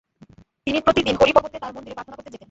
তিনি প্রতিদিন হরি পর্বতে তাঁর মন্দিরে প্রার্থনা করতে যেতেন।